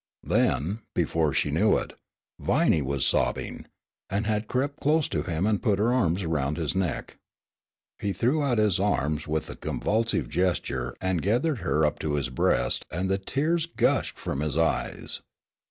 Then, before she knew it, Viney was sobbing, and had crept close to him and put her arms around his neck. He threw out his arms with a convulsive gesture and gathered her up to his breast, and the tears gushed from his eyes.